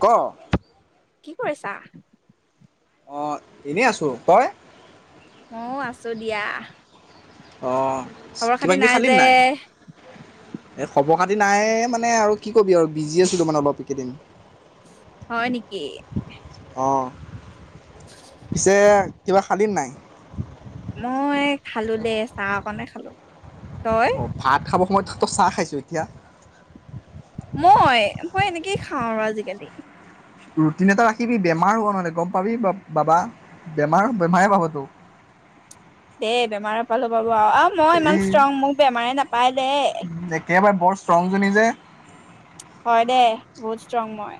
ক? কি কৰিছা? অঁ', এনেই আছোঁ। তই? মই আছো দিয়া। অ', খবৰ খাতি নাই যে? এই খবৰ খাতি নাই মানে আৰু কি কবি আৰু বিজি আছিলো মানে অলপ এইকেদিন হয় নেকি? অঁ পিছে কিবা খালি নাই? মই খালো দে চাহ‌ কনে খালোঁ অ ভাত খাব মই তো চাহ খাইছোঁ এতিয়া মই মই এনেকেই খাওঁ আৰু আজিকালি ৰুটিন এটা ৰাখি বি বেমাৰ হ'ব নহলে গম পাবি বাবা বেমাৰ বেমাৰে পাব তোক দে বেমাৰে পালো পাব অ মই ইমান এই ষ্ট্ৰং মোক বেমাৰে নাপায় দেই একেবাৰে বৰ ষ্ট্ৰংজনী যে হয় দে বহুত ষ্ট্ৰং মই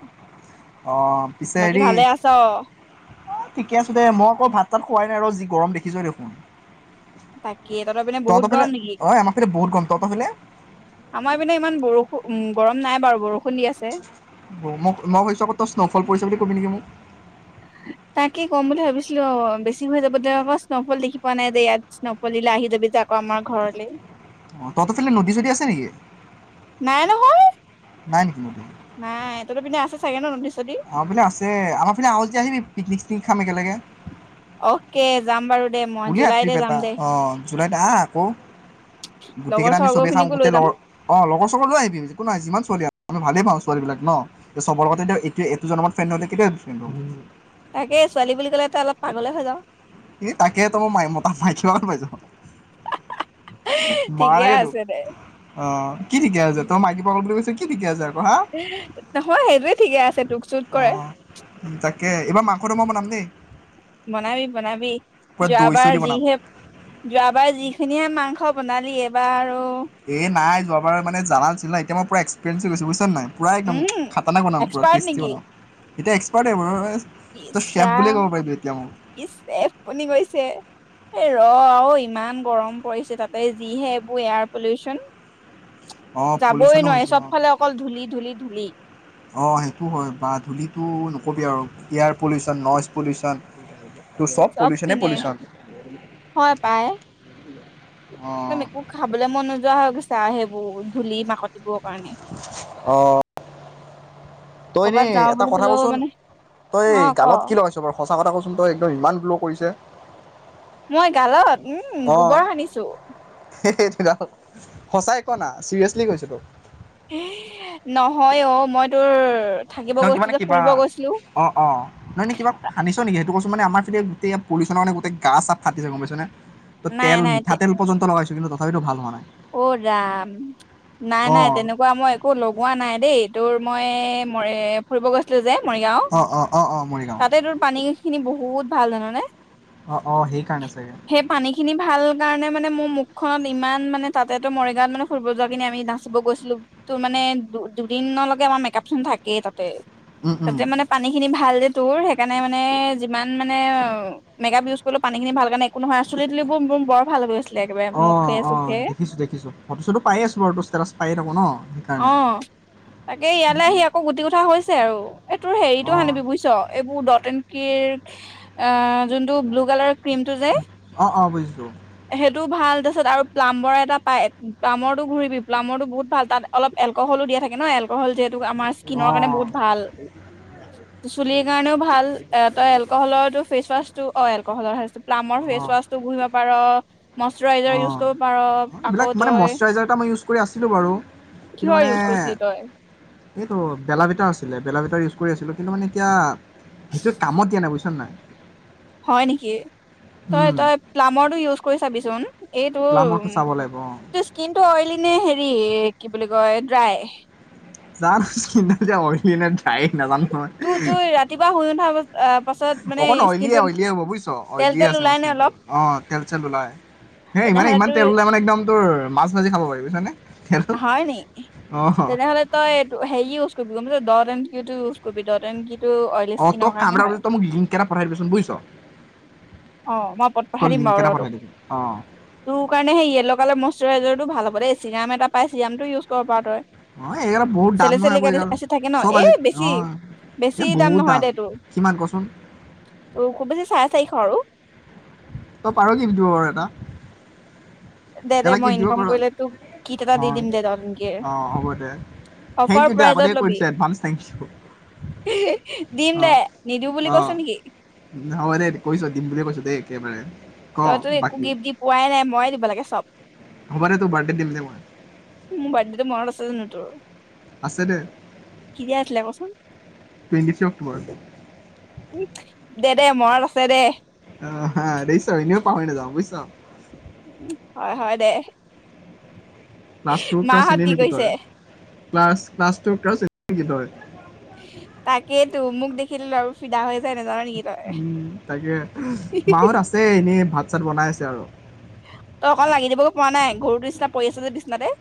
অঁ পিছে বাকী হেৰি ভালে আছ। ঠিকে আছো দে মই আকৌ ভাত তাত খোৱাই নাই ৰ যি গৰম দেখিছো দেখোন তাকে তত পিনে বহুত তহঁতৰ ফালে গৰম নেকি অঁ আমাৰ ফালে বহুত গৰম তহঁতৰ ফালে আমাৰ পিনে ইমান বৰষুণ উ গৰম নাই বাৰু বৰষুণ দি আছে। মোক মইছো আকৌ তই স্ন'ফল পৰিছে বুলি কবি নেকি মোক তাকে ক'ম বুলি ভাবিছিলো বেছি হৈ যাব দে আকৌ স্ন'ফল দেখি পোৱা নাই যে ইয়াত স্ন'ফল দিলা আহি যাবি যে আকৌ আমাৰ ঘৰলৈ তহতৰ ফালে নদী চদী আছে নেকি নাই নহয় নাই নেকি নদী নাই এ ততো পিনে আছে থাকে ন নদী চদী আমাৰ পিনে আছে আমাৰ পিনে আহ যদি আহিবি পিকনিক পিকনিক খাম একেলগে অকে যাম বাৰু দে মই উলিয়া জুলাইতে ট্ৰিপ যাম এটা দে আহ জুলাইত আহ আকৌ গোটেই লগৰ কেইটা আমি চগৰ চবেই খাম খিনিকো লৈ গোটেই যাম লগৰ অ লগৰ চগৰ লৈ আহিম একো নহয় যিমান ছোৱালী আও ভালে পাওঁ ছোৱালী বিলাক ন চবৰ লগত এইটো এইটো জনমত ফ্ৰেড নহলে কেতিয়া ফ্ৰেড হব ন তাকে ছোৱালী বুলি ক'লে এ অলপ পা গলে হৈ যাওঁ ই তাকে তই মতা মাইকি ভাগত পাইছ [unintelligible] ঠিকে মাৰাগে তোক আছে দে। অ কি ঠিকে আছে তই মাইকি পাগল বুলি কৈছ কি ঠিকে আছে আৰু। অহ, নহয় সেইটোয়ে ঠিকে আছে তোক চুত কৰে। মাংসতো মই বনাম দেই। বনাবি। বনাবি পুৰা দৈ চৈ যোৱাবাৰ দি বনাম যিহে যোৱাবাৰ যিখিনিহে মাংস বনালি এইবাৰো এ নাই। যোৱা বাৰ মানে জানা নাছিলোঁ না এতিয়া মোৰ পোৰা এক্সপিৰিয়েন্স হৈ গৈছে বুজিছ নাই। পূৰা একদম উম খাতৰনাক বনাম পোৰা এক্সপাৰ্ট টেষ্টি নেকি বনাম। এতিয়া এক্সপাৰ্ট [unintelligible] ইচ ৰাম ইচ চেফ বনি গৈছে এই ৰ অই ইমান গৰম পৰিছে তাতে যিহে এইবোৰ এয়াৰ পলিউচন। অহ, যাবই পলিউচনো নোৱাৰি হৈছে চব অহ ফালে অকল ধূলি ধূলি ধূলি -অহ সেইটো হয় বা ধূলিটো [unintelligible] আৰু এয়াৰ পলিউচন নইজ পলিউচন। চব পিনে হয় পায়। একদম অঁ একো খাবলৈ মন নোযোৱা হৈ গৈছে আৰু সেইবোৰ বহুত ধূলি নাকত এইবোৰ [inaudible] অহ। তই কৰ'বাত এনেই যাওঁ এটা বুলি কথা কলেও কচোন মানে তই অ ক গালত কি লগাইছ বাৰু সঁচা কথা কচোন তই একদম ইমান গ্ল' কৰিছে। মই গালত উম অঁ গোবৰ সানিছো। সেই সঁচাই কোৱা না চিৰিয়াচলি কৈছো তো এইয়ে নহয় অহ মই তোৰ থাকিব নহ কিবা গৈছিলো নে যে কিবা ফুৰিব গৈছিলো অহ - অহ নহয় ন কিবা সানিছ নেকি সেইটো কচ? মানে আমাৰ ফালে গোটে পোলিচনৰ মানে গোটেই গা ছা ফাটি যাব গম পাইছ নে। অহ, নাই তেল মিঠাতেল পৰ্যন্ত লগাইছো কিন্তু হইটো ভাল হোৱানাই। অহ, ৰাম নাই অ -নাই তেনেকুৱা মই একো লগোৱা নাই দেই তোৰ মই মৰ এ ফুৰিব গৈছলো যে। মৰিগাওঁ অ অ অ অ মৰিগাঁও তাতে তোৰ পানী সিখিনি বহুত ভাল জান নে। অহ, অহ সেই কাৰণে চাগে। সেইখিনি ভাল কাৰণে মানে মোৰ মুখখনত ইমান মানে তাতে তো মৰিগাঁৱত মানে ফুৰিব যোৱাখিনি আমি নাচিব গৈছিলো তো মানে দুদিনলৈকে আমাৰ মেকআপ খিনি থাকেই তাত উম উম তাতে মানে পানী খিনি ভাল যে তোৰ সেইকাৰণে মানে যিমান মানে মেকআপ ইউজ কৰিলো পানী খিনি ভাল কাৰণে কোন নহয় আ চুলি তুলিবোৰ মোৰ বৰ ভাল হৈ গৈছিলে একেবাৰে মুখে চুখে দেখিছোঁ ফটো শ্বটো পাই আছো বাৰ ষ্টেটাছ পায়েই থাকো ন অ সেইকাৰণে তাকে ইয়ালৈ আহি আকৌ গুটি উঠা হৈছে আৰু এই তোৰ অ হেৰিতো আনিবি বুজিছ এইবোৰ দত ডতেনকিৰ অ যোনটো ব্লু কালাৰ ক্ৰীমটো যে ছো সেইটো ভাল তাৰপিছত আৰু প্লাম্বৰ এটা পায় প্লামৰটো ঘূৰিবি প্লাম্বৰটো বহুত ভাল তাত অলপ এলকহলো দিয়া থাকে ন এলকহল যিহেত আমাৰ অ স্কিনৰ কাৰণে বহুত ভাল চুলিৰ কাৰণেও ভাল তই এলকহলৰটো ফেচৱাচ টো এলক'হলৰ হেয়াৰ চপ প্লামৰ ফেচওৱছ চোৱাটো ঘূহিব পাৰ মইশ্বৰাইজাৰ ইউজ কৰিব পাৰ অঁ আকৌ এইবিলাক মানে তই মইশাৰইজাৰ এটা মই ইউজ কৰি আছিলোঁ বাৰু কিন্তু কিহৰ মানে ইউজ কৰিছিলি তই এইটো বেলা বিটাৰ আছিলে বেলা বিটাৰ কৰি আছিলোঁ কিন্তু মানে এতিয়া সেইটোৱে কামত দিয়া নাই বুজছ নাই হয় নেকি তই উম তই প্লাম্বৰটো ইউজ কৰি চাবিচোন এইটোৰ প্লামৰটো চাব লাগিব অ তোৰ স্কিনটো অইলি নে হেৰি কি বুলি কয় ড্ৰাই জানোঁ কিনো অইলি না ড্ৰাই‌ নাজানো হয় তো তোৰ ৰাতিপুৱা শুই উঠাৰ পা পাছত মানে অকন অইলিয় স্কিনটোত অইলিয় হ'ব বুজিছ তেল অইলিয় তেল আছে ওলাই মোৰ নে স্কিনটো অলপ অ তেল চেল ওলাই সেই ইমানে তেনেহ'লে ইমান তোৰ তেল ওলাই মানে একদম তোৰ মাছ মাজি খাব পাৰি বুজছা নে হয় নি তেনেহলে তই এটো হাৰি ইওজ কৰিবি দত কন কিওটো ইওজ কৰিবি দত এনে কিও টো অইলি অ তই ইচকিনৰ কাম কাৰণে এটা হয়। কৰিবি তই মোক লিংক এটা পঠাই দিবিচোন বুজিছ অ মই পঠাই তই দিম লিংক বাৰু এটা তোক, পঠাই দিবি অ তোৰ কাৰণে ইয়েল্লো কালাৰৰ মৈচ্ছৰাইজাৰ টো ভাল হ'ব হব দেই চিৰাম এটা পাই চিৰামটো ইউজ কৰ পাওঁ তই অ এইগাল বহুত দাম চেলি নহয় চেলিক আকৌ এইগাল এচিড থাকে ন চব এ আজি বেছি অ বেছি এই দাম বহুত নহয় দে তোৰ কিমান কচোন ত খুব বেছি চাৰে চাৰিশ আৰু তই পাৰ গিব দিব বাৰু এটা দে দে এটা মই গিভ দিব ইনকাম পাৰ কৰিলে তোক কিট এটা অ দি দিম দে ডট এণ্ড কিৰ অ হ'ব দে থেংক অফাৰ ইউ দে আগতে প্ৰাইজত কৰি ল'বি দিছ এডভানস থেংক ইউ। দিম অ দে নিদিওঁ বুলি অ কৈছ নেকি হ'ব দে কৈছ দিম বুলিয়ে কৈছো দেই কেমেৰাইন তইতো একো গিফ্ট দি পোৱাই নাই ময়ে দিব লাগে চব হ'ব দে টোৰ বাৰ্থডে দিম দে মোৰ মই মনত বাৰ্থডেটো আছে জানো তোৰ আছে দে কেতিয়া আছিলে কচোন? টুৱেণ্টি থ্ৰী অক্টোবৰ উম দে দে মনৰত আছে দে অ হােইছন পাৱনা যাওঁ বুজিছা। উ হয় হয় দে ক্লাছ টুৰ পৰা মাহঁত চিনি কি নেকি কৰিছে তই ক্লাছ ক্লা ট ক্লাছ নে তই খেল আৰু ফিদা হৈ যায় নাজান নেকি তই উম তাকে মাহত আছে এনেই ভাত ত চাত বনাই আছে আৰু তই অকন লাগি দিবগো প নাই ঘৰুতো নিচিনা পৰি আছ যে নিচিনাতে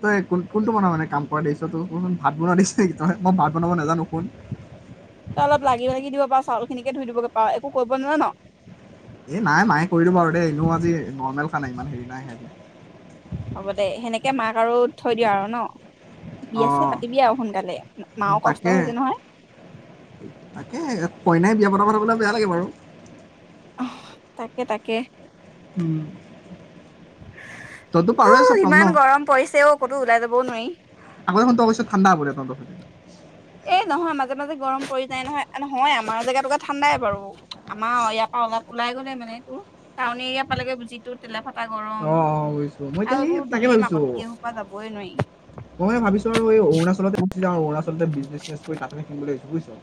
তই কোন কোনটো বন মানে কাম কৰাছ তই কচোন ভাত বনোৱা দিছ নেকি তই মই ভাত বনাব নাজানো কোন তই অলপ লাগি লাগি দিব পাৰ চাউল খিনিকে ধুই দিবগে পাৰ একো কৰিব নোৱাৰে ন এ নাই মায়ে কৰিলো বাৰু দেই এনেও আজি নৰ্মেল খান নাই ইমান হেৰি নাই সিহঁতে হ'ব দে সেনেকে মাক আৰু থৈ দিিয় আৰু ন অ বিয়াছে পাতিবি আৰু সোনকালে মাও তাকে কষ্ট হৈছে নহয় তাকে কইনাই বিয়া পত পঠাবলৈ বেয়া লাগে বাৰু আহ তাকে তাকে হম তহতো পাৰৱেই সপনাম ন ইমান গৰম পৰিছে অ ক'তো ওলাই যাবও নোৱাৰি আগৰখন তো অৱশ্যয় ঠাণ্ডা হ'ব দে তত, এই নহয় মাজে মাজে গৰম পৰি যায় নহয় নহয় আমাৰ জেগাতকে ঠাণ্ডাই বাৰু আম আয়াপা ওঁওল, ওলাই গ'লে মানে তোৰ টাউন এৰিয়া পালেগে যিটো তেলালে তা অ গৰম অ বুজিছো মই এতিয়া আৰু সেই এইবোৰ তাকে ধূলি ভাবিছো মাকতি এসোপা যাবই নোৱাৰি। মই মান ভাবিছো আৰু এই অৰুণাচলতোৰ অৰুণাচলতে কৰি তাতে শলৈ বুজছ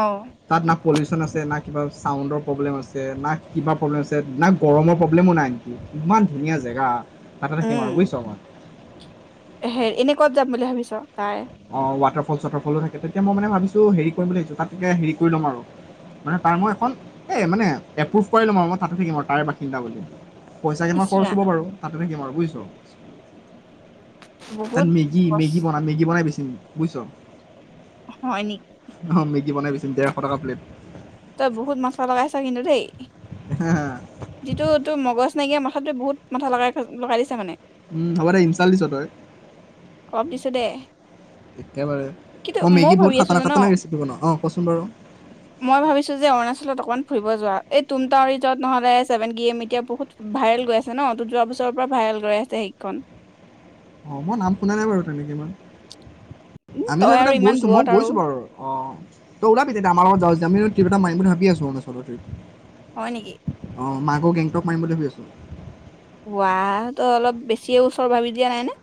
অ তাত না পলিউচন আছে না কিবা চাউণ্ডৰ প্ৰব্লেম আছে না কিবা প্ৰব্লেম আছে না গৰমৰ প্ৰব্লেমো নাই নেকি ইমান ধুনীয়া জেগা হাতে থাকিম উম আৰু বুজিছ মই হে এনেকুৱাত যাম বুলি ভাবিছ তাই অ ৱাটাৰফল চৱাটাৰফলো থাকে তেতিয়া মই মানে ভাবিছো হেৰি কৰিব ল আহিছো তাত হেৰি কৰি ল'ম আৰু মানে তাৰ মই এখন এই মানে এপ্ৰুভ কৰি ল'ম আৰু মই তাততে থাকিম আৰু তাইৰ বাসিন্দা বুলি পইচা কিমান ইচ খৰচ ৰাম হব বাৰু তাতে থোকিম আৰু বুইছ তাত বহুত মেগী মেগী বন মেগী বনাই বেছি বুজিছ হয় নিক কি বনাই পিছে ডেৰশ টকা প্লেট? তই বহুত মাছলা লগাইছা কিন্তু দেই। যিটো তোৰ মগজ নাইকিয়া মাথাাতোই বহুত মাথা লগাই লগাই দিছে মানে। উম হ'ব দে ইন্ছাল দিছ' তই! অলপ দিছো দে। একেবাৰে কিন্তু মই মইও মেগী বহুত ভাবি আছো খাটানা জান, খাটানা ৰেচিপি বনাওঁ অঁ কচোন বাৰু মই ভাবিছো যে অৰুণাচলত অকমান ফুৰিব যোৱা। এই তুম টাও ৰিজত নহ'লে ছেভেন গে এম এতিয়া বহুত ভাইৰেল গৈ আছে ন! যোৱা বছৰৰ পৰা ভাইৰেল গৈ আছে সেইকেইখন। অ মই নাম শুনা নাই বাৰু তেনেকে ইমান। উ আমিতো তই আৰু এইবিলাক ইমান গৈছো, মই দূৰত আৰু গৈছো বাৰু, অ! তই ওলাবি তেতিয়া আমাৰ লগত যাৱ যদি, আমি টিপ এটা মাৰিম বুলি ভাবি আছো অৰুণাচলতেই হয় নেকি? অঁ, মই আক' গেংটক মাৰিম বুলি ভাবি আছোঁ। ৱাহ তই অলপ বেছিয়ে ওচৰ ভাবি দিয়া নাই নে?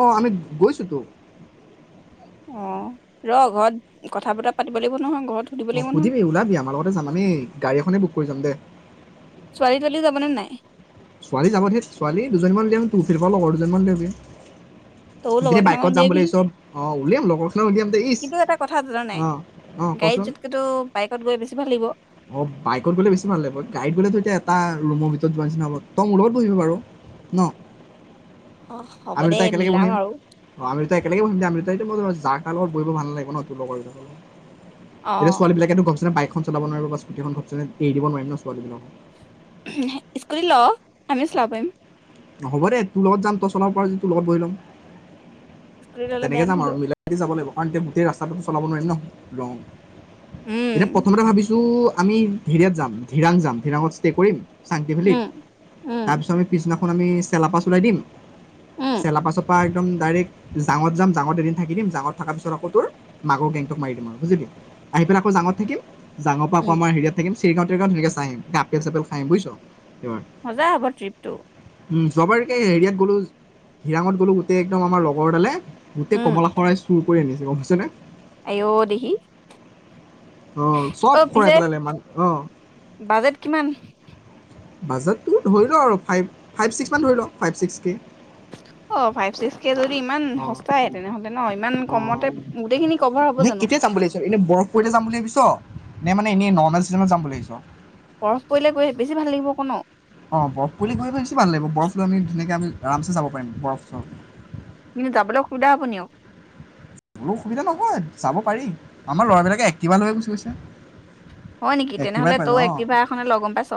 অ আমি গৈছোতো। অ, ৰ ঘৰত কথা বতৰা পাতিব লাগিব নহয়। ঘৰত সুধিব অ লাগিব নহয় সুধিবি, ওলাবি। আমাৰ লগতে যাম, আমি গাড়ী এখনেই বুক কৰি যাম দে। যাব নে নাই? ছোৱালী যাব ধেত। ছোৱালী দুজনীমান উলিয়াচোন তোৰ চিনি পোৱা লগৰ দুজনীমান উলিয়াবি। তয়ো গোটেই লগৰ কেইটামান বাইকত যাম বুলি উলিয়াবি। ভাবিছ অ উলিয়াম লগৰখিনিক উলিয়াম দে ইচ কিন্তু এটা কথা জান' নাই অ অ গাড়ীত কচোন যতকেতো বাইকত গৈ বেছি ভাল লাগিব। অ বাইকত গ'লে বেছি ভাল লাগিব। গাড়ীত গ'লে ত এতিয়া এটা ৰুমৰ ভিতৰত যোৱাৰ নিচিনা হ'ব, তই মোৰ লগত বহিবি বাৰু, ন! অ হ'ব আমি দে, দুটা একেলগে বহিম মিলাম আৰু। অ আমি দুটা একেলগে বহিম দে আমি দুটাইটো জাৰ তাৰ লগত বহিব ভাল নালাগিব ন তোৰ লগৰ অ এতিয়া ছোৱালীবিলাকেতো গমছাই পাই চলাব নোৱাৰিব বা স্কুটিখনন ঘপচেনে এৰি দিব নোৱাৰিম ন ছোৱালীবিলাকক। স্কুটি ল', আমিও চলাব পাৰিম। হ'ব দে তোৰ লগত যাম, তই চলাব পাৰা যদি তোৰ লগত বহি লম। স্কুটি ললে তেনেকে বেয়া যাম আৰু নহয়তো মিলাই মিলি যাব লাগিব। কাৰণ এতিয়া গোটেই ৰাস্তাটোতো চলাব নোৱাৰি ন! লং। এতিয়া উম প্ৰথমতে ভাবিছো টো আমি হেৰিয়াত যাম ধিৰাং যাম, ধিৰাঙত ষ্টে কৰিম চাংতি ভেলিত। উম, উম, তাৰ পিছত আমি পিছদিনা খন আমি চেলাপাছ ওলাই দিম। উম, চেলাপাচৰ পা একদম ডাইৰেক্ট জাঙত যাম জাঙত এদিন থাকি দিম জাঙত থকাৰ পিছত আকৌ তোৰ মাগৰ গেংটক মাৰি দিম আৰু বুজিলি? আহি পেলাই আকৌ জাঙত থাকিম জাঙৰ পৰা আক' উম, আমাৰ হেৰিয়াত থাকিম চেৰগাঁও তেৰগাও তেনেকে চাই আহিম, তাত আপেল চাপেল খাই আহিম বুজিছ'! এইবাৰ মজা হ'ব ট্ৰিপটো। উম, যোৱাবাৰকে হেৰিয়াত গ'লো, হিৰাঙত গ'লো গোটেই একদম আমাৰ লগৰ এডালে গোটেই কমলা সৰাই চুৰ কৰি আনিছে। গৰম হৈছেনে? আই ঐ দেহি! চব অ'! খৰাই পিছে পেলালে মান অ', বাজেট কিমান? বাজেটটো ধৰি লওঁ আৰু ফাইভ ফাইভ, ছিক্সমান ধৰি ল' ফাইভ, ছিক্স কে। অ'! ফাইভ, ছিক্স কে যদি ইমান অ', সস্তাই তেনেহ'লে ন'। ইমান অ', কমতে গোটেইখিনি কভাৰ হ'ব নে জানো! নাই মান, এনেই নৰ্মেল চিজনত যাম বুলি ভাবিছোঁ আৰু। বৰফ পৰিলে গৈ বেছি ভাল লাগিব ক' ন'। অ'! বৰফ গৈ বছি ভাল লাগিব। বৰফ লৈ আমি, ধুনীয়াকে আমি আৰামছে যাব পাৰিম বৰফ চৰফ। কিন্তু, যাবলৈ অসুবিধা হ'ব নি আৰু। বোলো অসুবিধা নহয় যাব পাৰি। আমাৰ ল'ৰাবিলাকে এক্টিভা লৈয়ে গুচি গৈছে। হয় নেকি। এক্টিভাই তেনেহ'লে, পাই তই যাওঁ অ', এক্টিভা এখনে ল' গম পাইছ।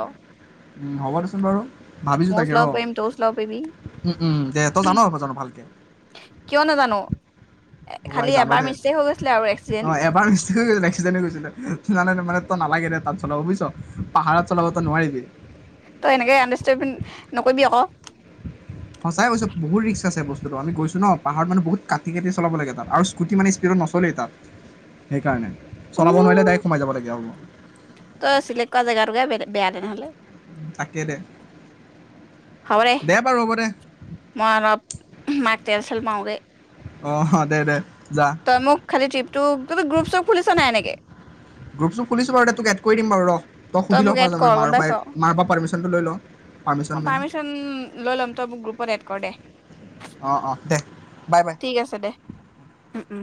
উম, হ'ব দেচোন বাৰু ভাবিছোঁ মইয়ো তাকে চলাব ৰ' পাৰিম, তই চলাব পাৰিবি। উম, উম, দে তই জান' জান' ভালকে কিয় নাজানো? এ অ'! খালি আই এবাৰ জানদে মিষ্টেক হৈ গৈছিলে আৰু এক্সিডেণ্ট অ'! এবাৰ এক্সিডেণ্ট হৈ গৈছিলে জানেনে মা তই নালাগে দে তাত চলাব বুজিছ। পাহাৰত চলাবতো নোৱাৰিবি। তই এনেকে [unintelligible] নকৰিবি আকৌ? সঁচাই কৈছো! বহুত ৰিক্স আছে বস্তুটো আমি গৈছোঁ ন'। পাহাৰত মানে, বহুত কাটি, কাটি চলাব লাগে তাত আৰু স্কুটি মানে, স্পীডত নচলেই তাত সেইকাৰণে। চলাব নোৱাৰিলে উম! ডাইৰেক্ট সোমাই যাব লাগে আৰু তই চিলেক্ট কৰা জেগা টুকুৰাই বেয়া তেনেহলে। তাকে দে, দে বাৰু হ'ব দে। [unintelligible] তেলচেল মাৰোগে। অ'! দে, দে। যা তই মোক খালি ট্ৰিপটো ততি গ্ৰুপ চুপ খুলিছ নাই এনেকে? গ্ৰুপ চুপ খুলিছোঁ বাৰু। তোক এড কৰি দিম বাৰু ৰ'। তই সুধি ল' মোক এড [unintelligible] কৰ মাৰ গম পাইছ পাপাই, মাৰ পাপাৰ পাৰ্মিশনটো লৈ ল'। Permission main. লৈ ল'ম তই মোক গ্ৰুপত এড ক'ৰ দে। অ'! অ'! দে বাই বাই। ও! ও!